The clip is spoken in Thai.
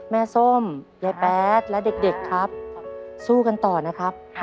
ส้มยายแป๊ดและเด็กครับสู้กันต่อนะครับ